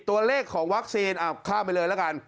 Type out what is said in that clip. ตัวเลขของวัคซีน